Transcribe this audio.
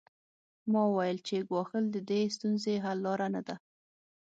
ما وویل چې ګواښل د دې ستونزې حل لاره نه ده